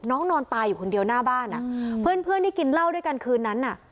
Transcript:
นอนตายอยู่คนเดียวหน้าบ้านอ่ะเพื่อนเพื่อนที่กินเหล้าด้วยกันคืนนั้นน่ะ